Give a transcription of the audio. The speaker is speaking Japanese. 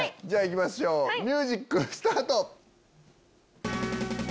じゃあ行きましょうミュージックスタート！